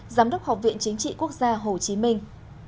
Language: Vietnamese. giám đốc học viện chính trị quốc gia hồ chí minh